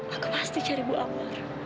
aku pasti cari bu apa